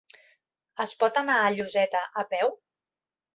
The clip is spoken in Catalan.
Es pot anar a Lloseta a peu?